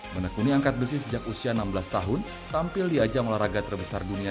menekuni angkat besi sejak usia enam belas tahun tampil di ajang olahraga terbesar dunia